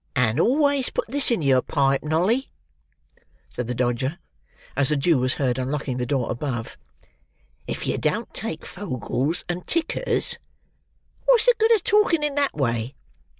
"And always put this in your pipe, Nolly," said the Dodger, as the Jew was heard unlocking the door above, "if you don't take fogels and tickers—" "What's the good of talking in that way?"